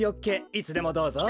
いつでもどうぞ。